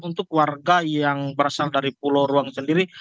untuk warga yang berasal dari pulau ruang sendiri